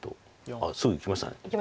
あっすぐいきました。